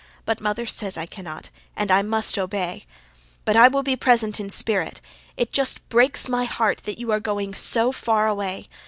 But mother says I cannot and I MUST OBEY. But I will be present IN SPIRIT. It just BREAKS MY HEART that you are going SO FAR AWAY.